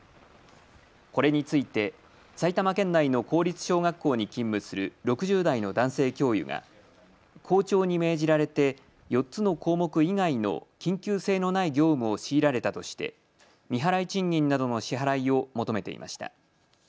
これについて埼玉県内の公立小学校に勤務する６０代の男性教諭が校長に命じられて４つの項目以外の緊急性のない業務を強いられたとして未払い賃金などの支払いを求めていました。